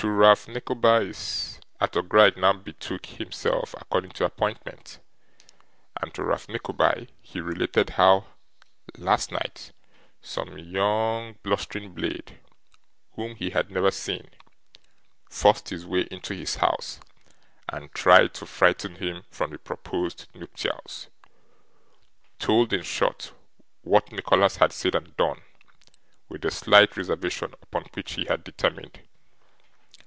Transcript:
To Ralph Nickleby's, Arthur Gride now betook himself according to appointment; and to Ralph Nickleby he related how, last night, some young blustering blade, whom he had never seen, forced his way into his house, and tried to frighten him from the proposed nuptials. Told, in short, what Nicholas had said and done, with the slight reservation upon which he had determined.